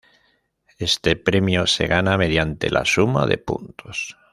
Este premio se gana mediante la suma de puntos.